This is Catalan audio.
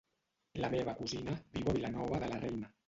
La meva cosina viu a Vilanova de la Reina.